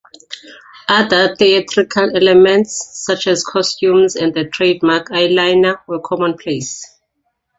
Other theatrical elements, such as costumes and the trademark eyeliner, were commonplace.